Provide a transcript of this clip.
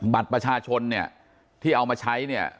บัตรประชาชนเนี่ยที่เอามาใช้เนี่ย